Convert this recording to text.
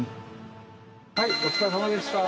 はいお疲れさまでした。